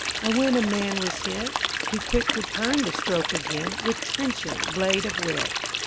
And when a man was hit, He quick returned the stroke again With trenchant blade of wit.